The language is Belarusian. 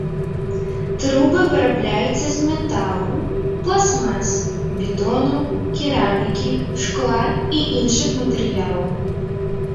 Трубы вырабляюцца з металаў, пластмас, бетону, керамікі, шкла і іншых матэрыялаў.